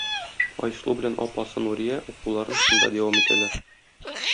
Айсылу белән апасы Нурия укуларын шунда дәвам итәләр.